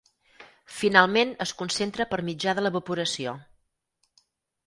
Finalment es concentra per mitjà de l'evaporació.